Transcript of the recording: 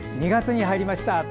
２月に入りました。